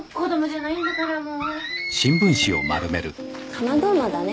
カマドウマだね。